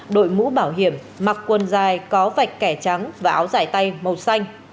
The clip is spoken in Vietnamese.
đội mũ bảo hiểm mặc quần dài có vạch kẻ trắng và áo dài tay màu xanh